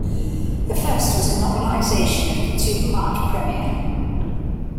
The first was a novelization of the two-part premiere.